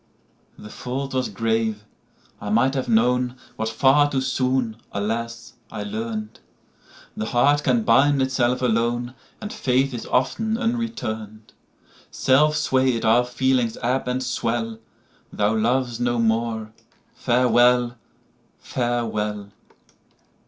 The fault was grave: I might have known, What far too soon, alas, I learn'd—The heart can bind itself alone, And faith is often unreturn'd.—Self sway'd our feelings ebb and swell:Thou lov'st no more: Farewell! Farewell!